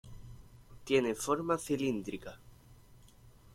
Tiene forma cilíndrica.